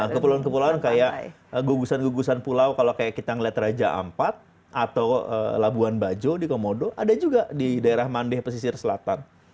kepulauan kepulauan kayak gugusan gugusan pulau kalau kayak kita ngeliat raja ampat atau labuan bajo di komodo ada juga di daerah mandeh pesisir selatan